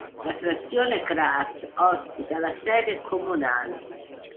La frazione Cras ospita la sede comunale.